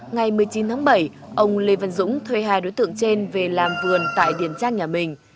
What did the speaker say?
ngày một mươi chín tháng bảy ông lê văn dũng thuê hai đối tượng trên về làm vườn tại điền trang nhà mình